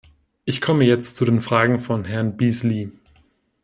Ich komme jetzt zu den Fragen von Herrn Beazley.